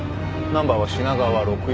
ナンバーは品川６４２５。